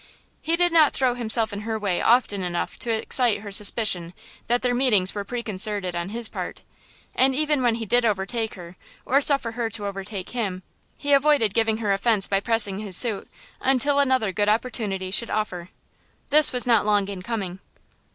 He did not throw himself in her way often enough to excite her suspicion that their meetings were preconcerted on his part, and even when he did overtake her or suffer her to overtake him, he avoided giving her offense by pressing his suit until another good opportunity should offer. This was not long in coming.